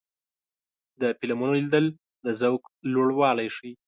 د فلمونو لیدل د ذوق لوړوالی ښيي.